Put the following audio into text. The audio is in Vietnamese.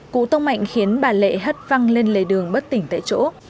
cú tông mạnh khiến bà lệ hất văng lên lề đường bất tỉnh tại chỗ